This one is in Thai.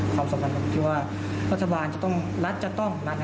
ความสำคัญมากที่ว่ารัฐบาลจะต้องรัดจัดต้อง